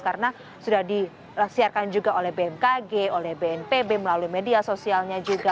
karena sudah disiarkan juga oleh bmkg oleh bnpb melalui media sosialnya juga